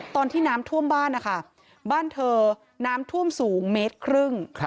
ตอนที่น้ำท่วมบ้านนะคะบ้านเธอน้ำท่วมสูงเมตรครึ่ง